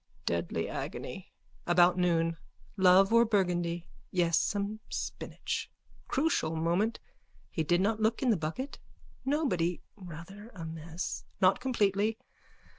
Deadly agony. About noon. Love or burgundy. Yes, some spinach. Crucial moment. He did not look in the bucket. Nobody. Rather a mess. Not completely.